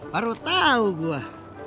baru tau gua